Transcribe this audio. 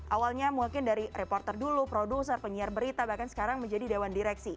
awalnya mungkin dari reporter dulu produser penyiar berita bahkan sekarang menjadi dewan direksi